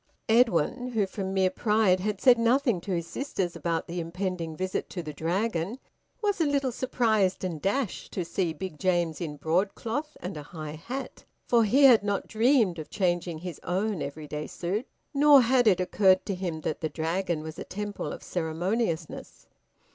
Edwin, who from mere pride had said nothing to his sisters about the impending visit to the Dragon, was a little surprised and dashed to see Big James in broadcloth and a high hat; for he had not dreamed of changing his own everyday suit, nor had it occurred to him that the Dragon was a temple of ceremoniousness.